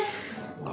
あ。